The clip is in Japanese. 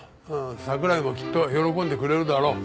桜井もきっと喜んでくれるだろう。